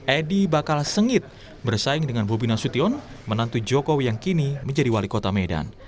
edi bakal sengit bersaing dengan bobi nasution menantu jokowi yang kini menjadi wali kota medan